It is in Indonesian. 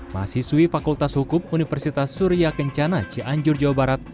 mahasiswi fakultas hukum universitas surya kencana cianjur jawa barat